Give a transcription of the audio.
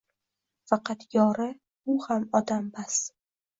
Faqat yori… u ham odam, bas